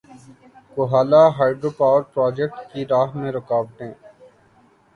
Kohala hydro power project کی راہ میں رکاوٹیں